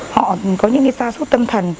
họ có những cái xa xúc tâm thần